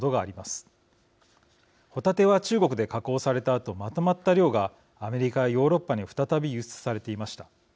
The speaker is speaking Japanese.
ホタテは中国で加工されたあとまとまった量がアメリカやヨーロッパに再び輸出されていました。